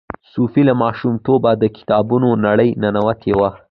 صوفي له ماشومتوبه د کتابونو نړۍ ننوتې وه.